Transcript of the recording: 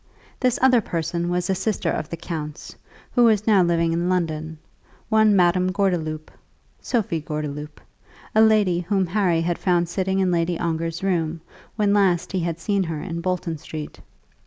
This other person was a sister of the count's, who was now living in London, one Madame Gordeloup, Sophie Gordeloup, a lady whom Harry had found sitting in Lady Ongar's room when last he had seen her in Bolton Street.